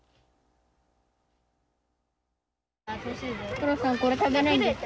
トラさんこれ食べないんですか？